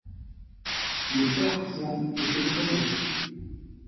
Le père Fouan était très gai.